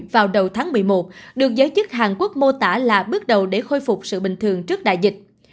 vào đầu tháng một mươi một được giới chức hàn quốc mô tả là bước đầu để khôi phục sự bình thường trước đại dịch